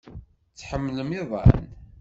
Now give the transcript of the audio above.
Tḥemmlem iḍan?